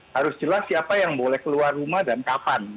harus jelas siapa yang boleh keluar rumah dan kapan